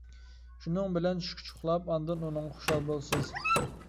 شۇنىڭ بىلەن چۈشكىچە ئۇخلاپ، ئاندىن ئۇنىڭغا خۇشال بولىسىز.